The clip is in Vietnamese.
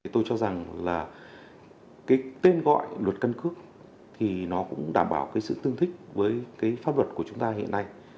tôi cho rằng là tên gọi luật căn cước thì nó cũng đảm bảo sự tương thích với pháp luật của chúng ta hiện nay